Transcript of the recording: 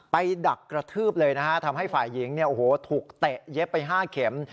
ไปดักกระทืบเลยนะฮะทำให้ฝ่ายิงถูกเตะเย็บไป๕เข็ม